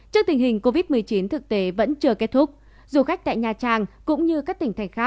trước tình hình covid một mươi chín thực tế vẫn chưa kết thúc du khách tại nha trang cũng như các tỉnh thành khác